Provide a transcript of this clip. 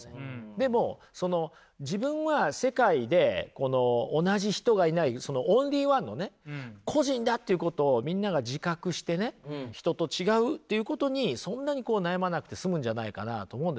でもその自分は世界で同じ人がいないそのオンリーワンのね個人だということをみんなが自覚してね人と違うってことにそんなに悩まなくて済むんじゃないかなと思うんですよね。